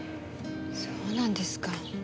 そうなんですか。